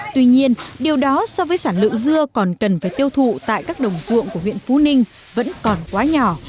tuy nhiên điều đó so với sản lượng dưa còn cần phải tiêu thụ tại các đồng ruộng của huyện phú ninh vẫn còn quá nhỏ